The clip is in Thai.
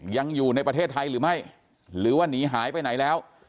ยังอยู่ในประเทศไทยหรือไม่หรือว่าหนีหายไปไหนแล้ว